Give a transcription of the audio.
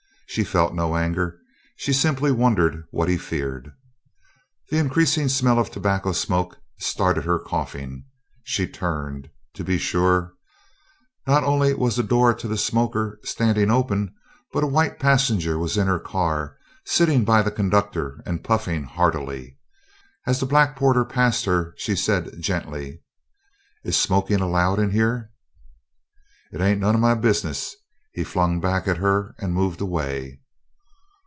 She felt no anger, she simply wondered what he feared. The increasing smell of tobacco smoke started her coughing. She turned. To be sure. Not only was the door to the smoker standing open, but a white passenger was in her car, sitting by the conductor and puffing heartily. As the black porter passed her she said gently: "Is smoking allowed in here?" "It ain't non o' my business," he flung back at her and moved away.